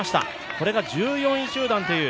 これが１４位集団という。